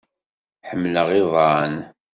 Ḥemmleɣ iḍan.